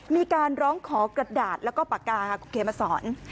มีการร้องขอกระดาษและปากกาเคมาสอน